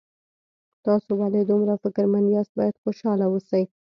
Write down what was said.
تاسو ولې دومره فکرمن یاست باید خوشحاله اوسئ